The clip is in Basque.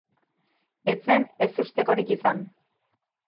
Ez zen ezustekorik izan.